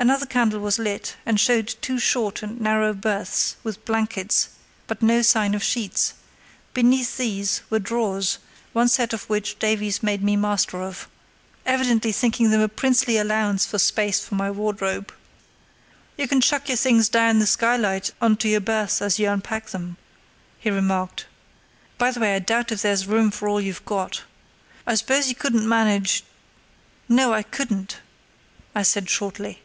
Another candle was lit and showed two short and narrow berths with blankets, but no sign of sheets; beneath these were drawers, one set of which Davies made me master of, evidently thinking them a princely allowance of space for my wardrobe. "You can chuck your things down the skylight on to your berth as you unpack them," he remarked. "By the way, I doubt if there's room for all you've got. I suppose you couldn't manage——" "No, I couldn't," I said shortly.